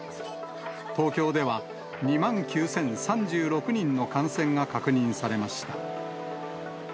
東京では、２万９０３６人の感染が確認されました。